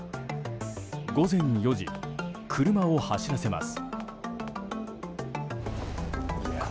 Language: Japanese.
午前４時、車を走らせます。